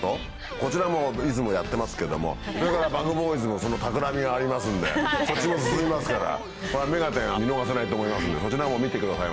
こちらもいつもやってますけどもＢｕｇＢｏｙｓのその企みがありますんでそっちも進みますからこれは『目がテン！』は見逃せないと思いますのでそちらも見てください。